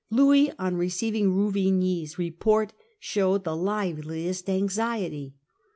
Louis, on receiving Ruvigny's report, showed the liveliest anxiety.